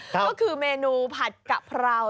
ก็คือเมนูผัดกะเพรา